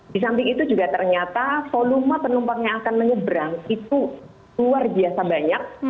di samping itu juga ternyata volume penumpang yang akan menyeberang itu luar biasa banyak